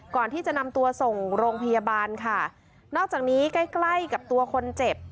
ก่อนที่จะนำตัวส่งโรงพยาบาลค่ะนอกจากนี้ใกล้ใกล้กับตัวคนเจ็บ